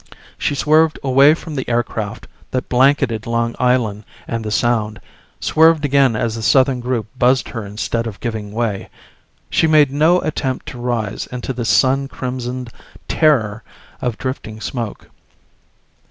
She swerved away from the aircraft that blanketed Long Island and the Sound, swerved again as the southern group buzzed her instead of giving way. She made no attempt to rise into the sun crimsoned terror of drifting smoke.